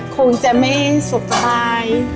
คงจะไม่สบบาย